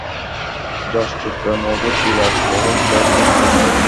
যশ চোপড়ার মুভির বিলাস বহুল বেডরুম থাকবে।